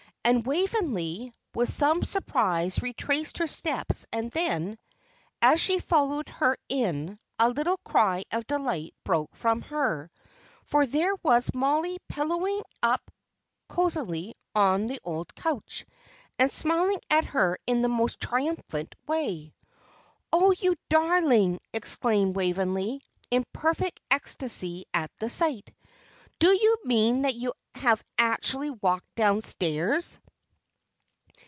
And Waveney, with some surprise, retraced her steps, and then, as she followed her in, a little cry of delight broke from her, for there was Mollie pillowed up cosily on the old couch, and smiling at her in the most triumphant way. "Oh, you darling!" exclaimed Waveney, in perfect ecstasy at the sight. "Do you mean that you have actually walked downstairs?"